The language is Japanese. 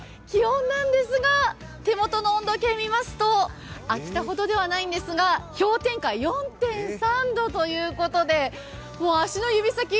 気温なんですが、手元の温度計を見ますと秋田ほどではないのですが氷点下４．３度ということで足の指先